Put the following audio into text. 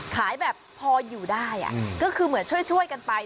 ขายแบบพออยู่ได้ก็คือเหมือนช่วยกันไป